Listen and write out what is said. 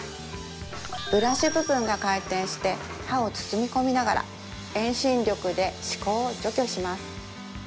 ブラシ部分が回転して歯を包み込みながら遠心力で歯垢を除去します